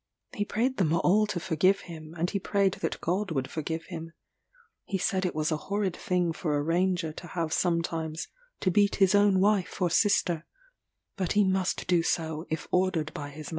He prayed them all to forgive him, and he prayed that God would forgive him. He said it was a horrid thing for a ranger to have sometimes to beat his own wife or sister; but he must do so if ordered by his master.